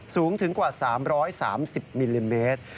สูงถึงกว่า๓๓๐มิลลิเมตร